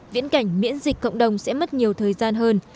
viễn cảnh miễn dịch cộng đồng sẽ mất nhiều thời gian hơn